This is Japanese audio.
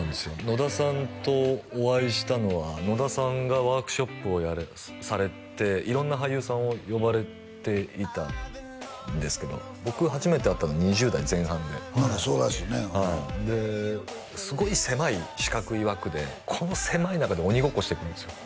野田さんとお会いしたのは野田さんがワークショップをされて色んな俳優さんを呼ばれていたんですけど僕初めて会ったの２０代前半で何かそうらしいねはいですごい狭い四角い枠でこの狭い中で鬼ごっこしてくるんですよ